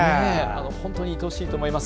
本当にいとおしいと思います。